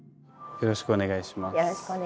よろしくお願いします。